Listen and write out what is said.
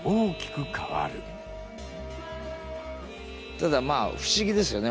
ただまあ不思議ですよね。